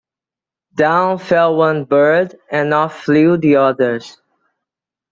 Down fell one bird, and off flew the others.